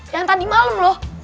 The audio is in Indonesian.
yang tadi malem loh